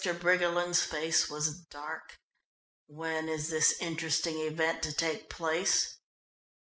Briggerland's face was dark. "When is this interesting event to take place?"